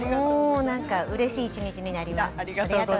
うれしい一日になります。